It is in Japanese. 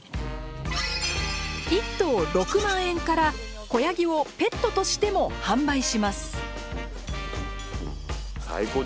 １頭６万円から子ヤギをペットとしても販売します。